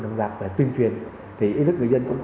đồng đạp và tuyên truyền